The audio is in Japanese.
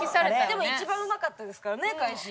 でも一番うまかったですからね返し。